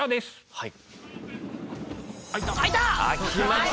はい。